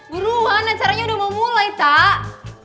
buruan acaranya udah mau mulai tak